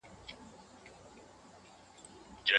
چېري خلګ د تفریح او ارامۍ لپاره پاکو ځایونو ته ځي؟